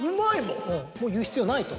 もう言う必要ないと。